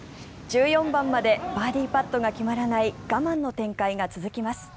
１４番までバーディーパットが決まらない我慢の展開が続きます。